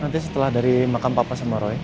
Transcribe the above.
nanti setelah dari makam papa sama roy